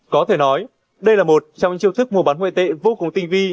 có thể nói đây là một trong những chiêu thức mua bán ngoại tệ vô cùng tinh vi